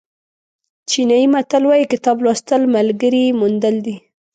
چینایي متل وایي کتاب لوستل ملګري موندل دي.